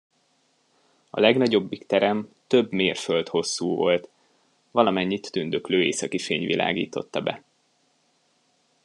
A legnagyobbik terem több mérföld hosszú volt; valamennyit tündöklő északi fény világította be.